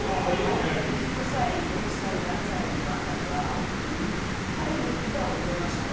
５歳、６歳、７歳の辺りはいっぱい歌を覚えましたね。